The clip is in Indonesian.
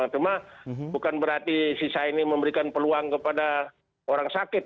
cuma bukan berarti sisa ini memberikan peluang kepada orang sakit